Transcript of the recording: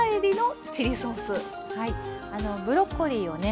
ブロッコリーをね